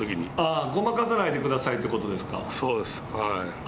ごまかさないでくださいってそうです。